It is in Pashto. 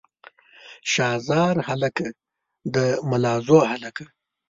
شاه زار هلکه د ملازو هلکه.